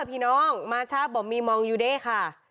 คุณน้องมาช่าบบมีมองยูเดค่ะ